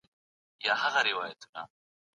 ايا موږ د پرمختللو هيوادونو سره سيالي کولای شو؟